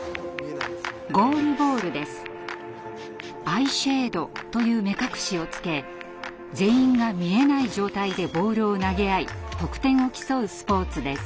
アイシェードという目隠しをつけ全員が見えない状態でボールを投げ合い得点を競うスポーツです。